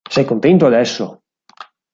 Sei contento adesso?".